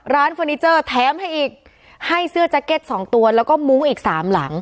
เฟอร์นิเจอร์แถมให้อีกให้เสื้อแจ็คเก็ตสองตัวแล้วก็มุ้งอีกสามหลัง